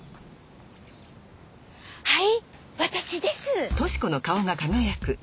はい私です。